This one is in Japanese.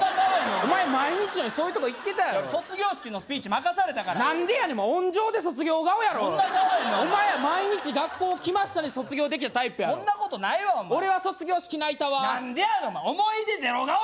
お前毎日のようにそういうとこ行ってたやろ俺卒業式のスピーチ任されたから何でやねん温情で卒業顔やろどんな顔やねんお前は毎日学校来ましたで卒業できたタイプやろそんなことないわ俺は卒業式泣いたわ何でやねん思い出ゼロ顔やろ